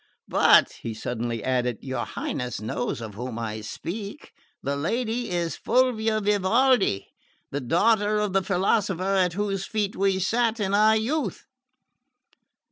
But," he suddenly added, "your Highness knows of whom I speak. The lady is Fulvia Vivaldi, the daughter of the philosopher at whose feet we sat in our youth."